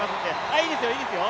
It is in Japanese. いいですよ、いいですよ。